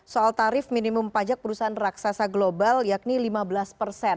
soal tarif minimum pajak perusahaan raksasa global yakni lima belas persen